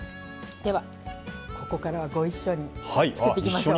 ではここからはご一緒に作っていきましょう。